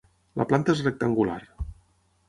La planta és rectangular.